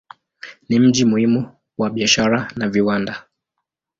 Ni mji muhimu wa biashara na viwanda.